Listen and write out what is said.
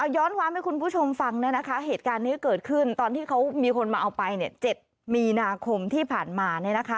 ย้อนความให้คุณผู้ชมฟังเหตุการณ์นี้เกิดขึ้นตอนที่เขามีคนมาเอาไป๗มีนาคมที่ผ่านมา